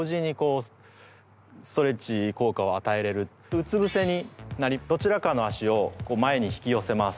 うつぶせになりどちらかの足を前に引き寄せます。